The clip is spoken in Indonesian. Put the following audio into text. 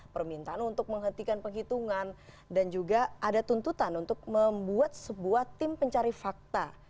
permintaan untuk menghentikan penghitungan dan juga ada tuntutan untuk membuat sebuah tim pencari fakta